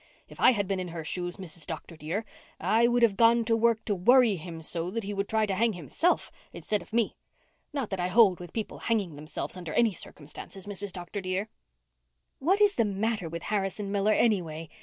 If I had been in her shoes, Mrs. Dr. dear, I would have gone to work to worry him so that he would try to hang himself instead of me. Not that I hold with people hanging themselves under any circumstances, Mrs. Dr. dear." "What is the matter with Harrison Miller, anyway?"